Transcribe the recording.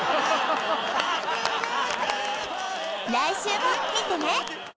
来週も見てね！